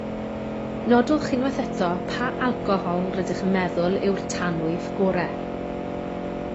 Nodwch unwaith eto pa alcohol rydych yn meddwl yw'r tanwydd gorau